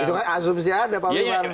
itu kan asumsi anda pak bungar